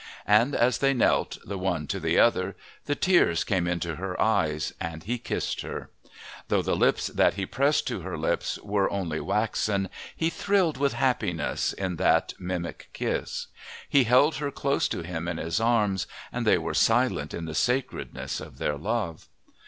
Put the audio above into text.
And as they knelt, the one to the other, the tears came into her eyes, and he kissed her. Though the lips that he pressed to her lips were only waxen, he thrilled with happiness, in that mimic kiss. He held her close to him in his arms, and they were silent in the sacredness of their love.